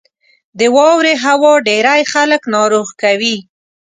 • د واورې هوا ډېری خلک ناروغ کوي.